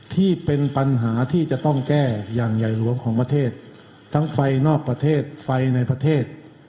ที่เป็นปัญหาที่จะต้องแก้อย่างใหญ่หลวงของประเทศทั้งไฟนอกประเทศไฟในประเทศ